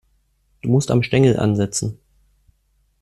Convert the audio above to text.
Du musst am Stängel ansetzen.